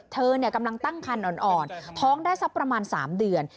เธอกำลังตั้งคันอ่อนท้องได้สักประมาณ๓เดือน